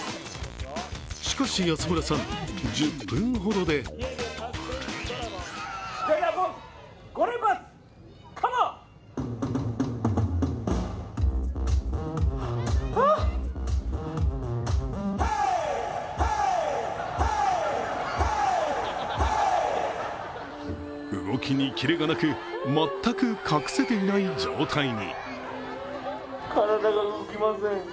しかし安村さん１０分ほどで動きにキレがなく、全く隠せていない状態に。